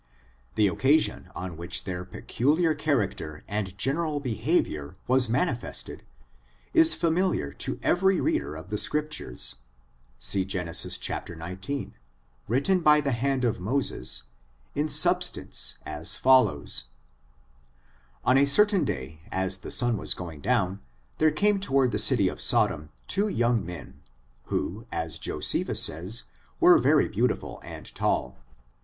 The occasion on which their pe culiar character and general behavior was manifested, is familiar to every reader of the Scriptures ; see Gen. xix, written by the hand of Moses, in substance as follows : On a certain day, as the sun was going down, there came toward the city of Sodom two young men, who, as Josephus says, were very beautiful and tall.